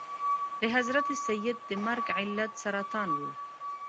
د حضرت سید د مرګ علت سرطان و.